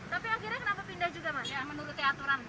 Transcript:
tapi akhirnya kenapa pindah juga mas yang menurutnya aturan